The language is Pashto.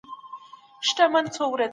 د علم په برکت د سعادت لاره ومومئ.